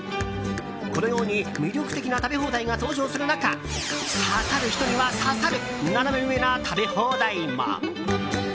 このように魅力的な食べ放題が登場する中刺さる人には刺さるナナメ上な食べ放題も。